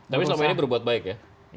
tapi selama ini berbuat baik ya